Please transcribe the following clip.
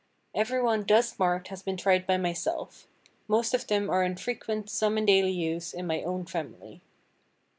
Every one thus marked has been tried by myself; most of them are in frequent, some in daily use, in my own family.